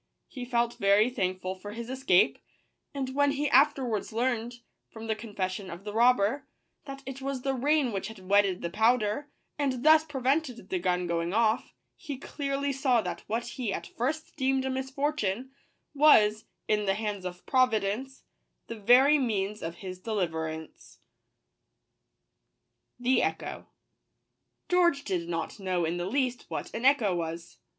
He felt very thankful for his escape ; and when he afterwards learned, from the confession of the robber, that it was the rain which had wetted the powder, and thus prevented the gun going off, he clearly saw that what he at first deemed a misfortune, was, in the hands of Providence, the very means of his deliverance. Digitized by Google iV Artirt v V>Slit 3EcJo. ■ EORGE did not know in the least what an echo was.